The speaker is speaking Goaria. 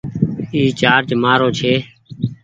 اي چآرجر مآرو ڇي ۔